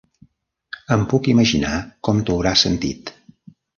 Em puc imaginar com t'hauràs sentit.